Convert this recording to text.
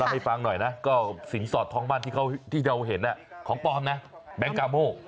ให้ฟังหน่อยนะก็สินสอดทองมั่นที่เราเห็นของปลอมนะแบงค์กาโม